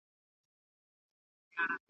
ته ښکلی یوسف یې لا په مصر کي بازار لرې